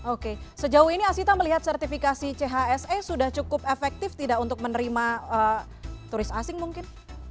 oke sejauh ini asita melihat sertifikasi chse sudah cukup efektif tidak untuk menerima turis asing mungkin